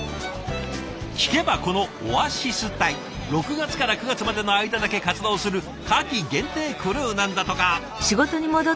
聞けばこのオアシス隊６月から９月までの間だけ活動する夏季限定クルーなんだとか。